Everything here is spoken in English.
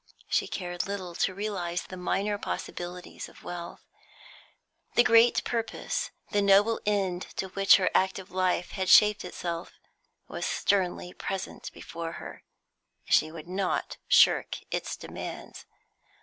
She cared little to realise the minor possibilities of wealth. The great purpose, the noble end to which her active life had shaped itself, was sternly present before her; she would not shirk its demands.